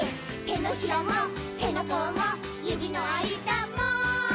「手のひらも手の甲も指の間も」